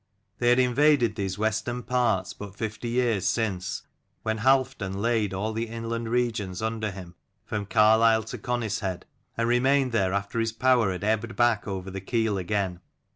They had invaded these western parts but fifty years since, when Halfdan laid all the inland regions under him from Carlisle to Conishead, and remained there after his power had ebbed back over the Keel again.